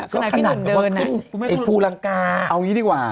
ก็ขนาดพี่หนุ่มเดินไอ้ภูลังกาเอาอย่างนี้ดีกว่า